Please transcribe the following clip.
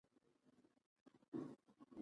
غوښې مې ډېرې وخوړلې؛ خوا مې ځينې سړه سوه.